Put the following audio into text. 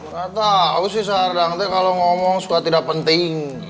kata abu sih sadang tuh kalo ngomong suka tidak penting